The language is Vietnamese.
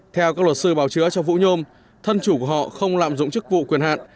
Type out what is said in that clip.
theo các luật sư bảo chữa cho vũ nhôm thân chủ của họ không lạm dụng chức vụ quyền hạn